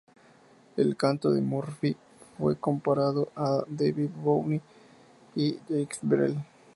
El canto de Murphy fue comparado a David Bowie y Jacques Brel.